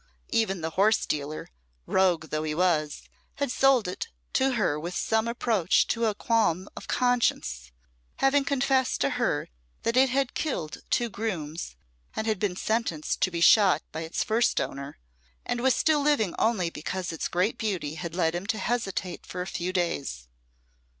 Even the horse dealer, rogue though he was, had sold it to her with some approach to a qualm of conscience, having confessed to her that it had killed two grooms, and been sentenced to be shot by its first owner, and was still living only because its great beauty had led him to hesitate for a few days.